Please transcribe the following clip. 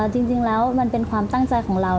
จริงแล้วมันเป็นความตั้งใจของเรา